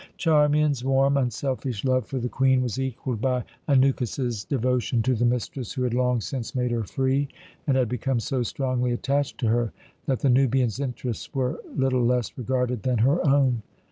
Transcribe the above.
Charmian's warm, unselfish love for the Queen was equalled by Anukis's devotion to the mistress who had long since made her free, and had become so strongly attached to her that the Nubian's interests were little less regarded than her own.